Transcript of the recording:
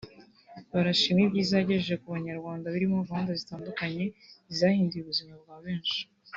barashima ibyiza yagejeje ku banyarwanda birimo gahunda zitandukanye zahinduye ubuzima bwa benshi